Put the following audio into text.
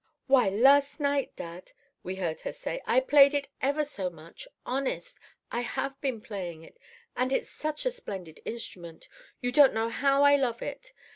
"'Why, last night, dad,' we heard her say, 'I played it ever so much. Honest—I have been playing it. And it's such a splendid instrument, you don't know how I love it.